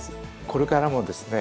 これからもですね